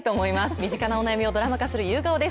身近なお悩みをドラマ化する夕顔です。